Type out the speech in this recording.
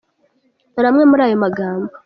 Dore amwe muri ayo magambo :.